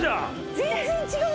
全然違う。